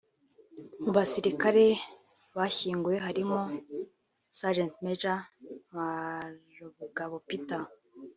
Mu basirikare bashyinguwe harimo Sgt Major Ntwarabugabo Peter